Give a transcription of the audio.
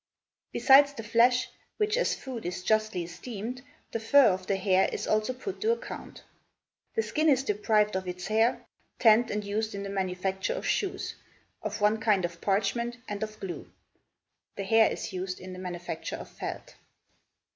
Besides the flesh, which as food is justly esteemed, the fur of the hare is also put to account. The skin is deprived of its hair, tanned and used in the manufacture of shoes, of one kind of parchment, and of glue; the hair is used in the manufacture of felt.